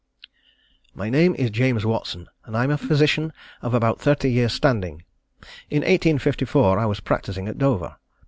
_ My name is James Watson, and I am a physician of about thirty years' standing. In 1854, I was practising at Dover.